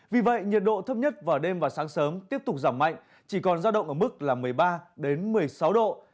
vì vậy nhiệt độ thấp nhất vào đêm và sáng sớm tiếp tục giảm mạnh chỉ còn giao động ở mức là một mươi ba một mươi sáu độ